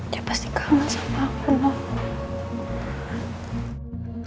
dia pasti kangen sama aku